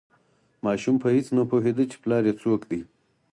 ماشوم په هیڅ نه پوهیده چې پلار یې څوک دی.